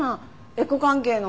エコ関係の。